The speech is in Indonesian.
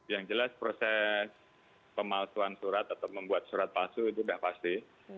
yang jelas proses pemalsuan surat atau membuat surat palsu itu tidak pasti